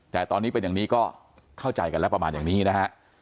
แต่ตอนนี้เป็นอย่างนี้ก็เข้าใจกันแล้วประมาณอย่างนี้นะฮะ